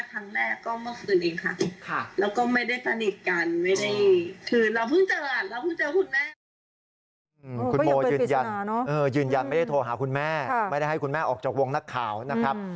คุณโมยืนยันไม่ได้โทรหาคุณแม่ไม่ได้ให้คุณแม่ออกจากวงนักข่าวนะครับคุณโมยืนยันไม่ได้โทรหาคุณแม่ไม่ได้ให้คุณแม่ออกจากวงนักข่าวนะครับ